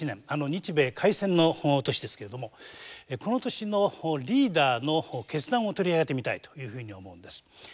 日米開戦の年ですけれどもこの年のリーダーの決断を取り上げてみたいというふうに思うんです。